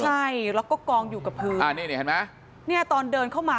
ใช่แล้วก็กองอยู่กับพื้นอ่านี่นี่เห็นไหมเนี่ยตอนเดินเข้ามา